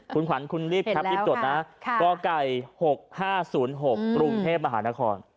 คุณขวัญคุณลีบครับ๒๐จดนะฮะก่อไก่๖๕๐๖ปรุงเทพฯมหานคร